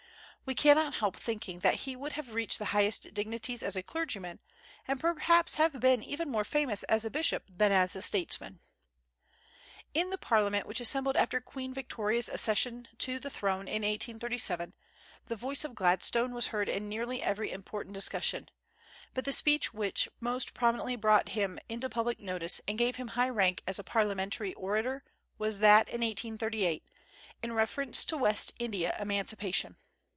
We cannot help thinking that he would have reached the highest dignities as a clergyman, and perhaps have been even more famous as a bishop than as a statesman. In the Parliament which assembled after Queen Victoria's accession to the throne, in 1837, the voice of Gladstone was heard in nearly every important discussion; but the speech which most prominently brought him into public notice and gave him high rank as a parliamentary orator was that in 1838, in reference to West India emancipation.